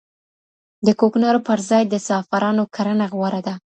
د کوکنارو پر ځای د زعفرانو کرنه غوره ده.